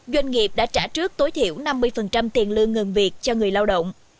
doanh nghiệp đã trả trước tối thiểu năm mươi tiền lương ngừng việc cho người lao động